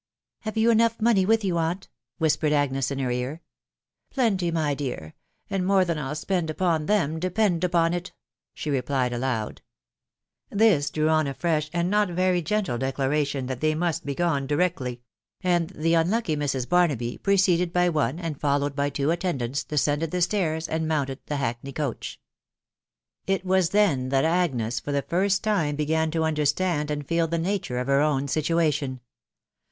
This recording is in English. "Have you enough money with you, aunt?" whispered Agnes in her ear. " Plenty, my dear ; and more than I'll spend upon thero, depend upon it," she replied aloud. .•• This drew on a fresh and not very gentle declaration that they roust be gone di rectly ; and the unlucky Mrs. Barnaby, preceded by one and followed by two attendants, descended the stairs, and mounted the hackney coach* THB WIDOW BARNABY. 567 It was then that Agnes for the first time began to under stand and feel the nature of her own situation.